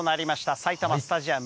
埼玉スタジアム。